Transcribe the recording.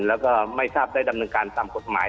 แล้วก็ไม่ทราบได้ดำเนินการตามกฎหมาย